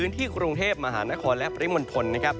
ที่กรุงเทพมหานครและปริมณฑลนะครับ